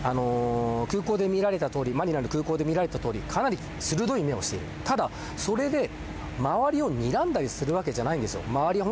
やはり空港で見られた通りかなり鋭い目をしているただ、それで周りをにらんだりするわけじゃないんですよ。